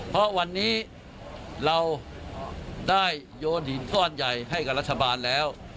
เพราะวันนี้เราได้โยนหินก้อนใหญ่ให้กับรัฐบาลแล้ว